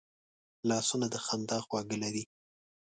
لاسونه د خندا خواږه لري